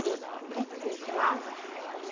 はい失礼します。